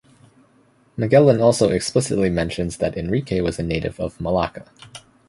Magellan also explicitly mentions that Enrique was a native of Malacca.